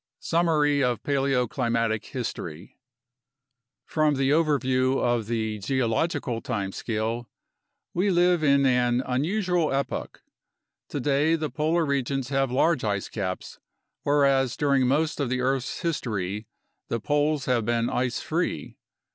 Summary of Paleoclimatic History From the overview of the geological time scale, we live in an unusual epoch: today the polar regions have large ice caps, whereas during most of the earth's history the poles have been ice free.